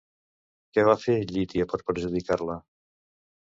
Què va fer Ilitia per perjudicar-la?